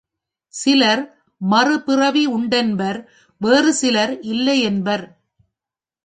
சிலர் மறு பிறவி உண்டென்பர் வேறு சிலர் இல்லையென்பர்.